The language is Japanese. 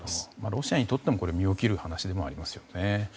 ロシアにとっても身を切る話でもありますよね。